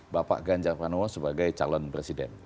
bapak ganjar pranowo sebagai calon presiden